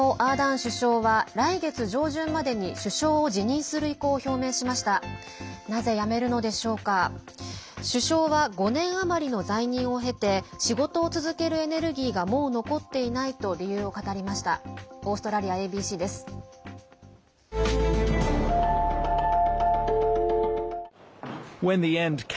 首相は５年余りの在任を経て仕事を続けるエネルギーがもう残っていないと理由を語りました。